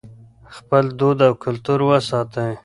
خپل دود او کلتور وساتئ.